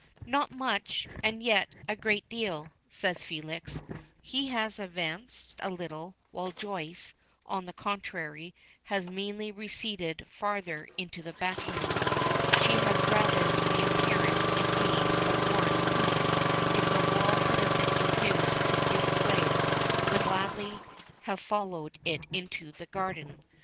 "Not much, and yet a great deal," says Felix. He has advanced a little, while Joyce, on the contrary, has meanly receded farther into the background. She has rather the appearance, indeed, of one who, if the wall could have been induced to give way, would gladly have followed it into the garden.